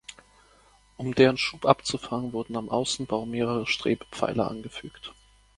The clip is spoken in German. Um deren Schub abzufangen wurden am Außenbau mehrere Strebepfeiler angefügt.